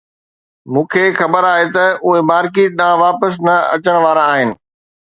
مون کي خبر آهي ته اهي مارڪيٽ ڏانهن واپس نه اچڻ وارا آهن